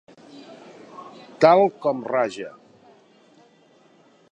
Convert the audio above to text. Tal com raja.